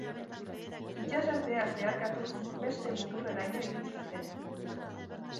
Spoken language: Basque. Itsasartea zeharkatuz beste muturreraino iritsi ziren.